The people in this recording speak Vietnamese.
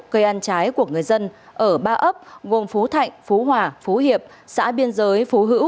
cây ăn trái của người dân ở ba ấp gồm phú thạnh phú hòa phú hiệp xã biên giới phú hữu